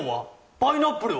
パイナップルは？